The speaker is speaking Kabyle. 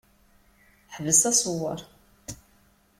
Ḥbes aṣewwer!